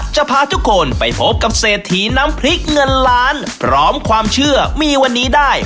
จะพาทุกคนไปพบกับเศรษฐีน้ำพริกเงินล้านพร้อมความเชื่อมีวันนี้ได้